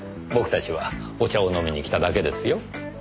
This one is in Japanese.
僕たちはお茶を飲みに来ただけですよ。